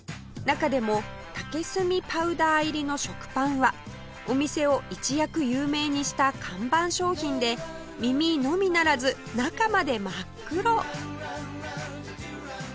中でも竹炭パウダー入りの食パンはお店を一躍有名にした看板商品で耳のみならず中まで真っ黒！